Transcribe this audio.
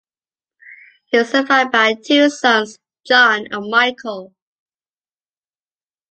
He was survived by two sons, John and Michael.